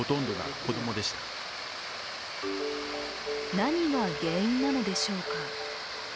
何が原因なのでしょうか。